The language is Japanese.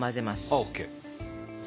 オーケー。